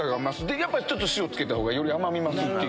やっぱりちょっと塩つけたほうがより甘み増すっていう。